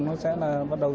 nó sẽ là bắt đầu